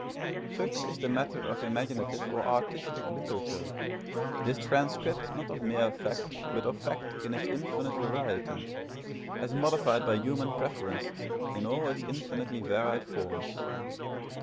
Such is the matter of imaginative or artistic literature this transcript, not of mere fact, but of fact in its infinite variety, as modified by human preference in all its infinitely varied forms.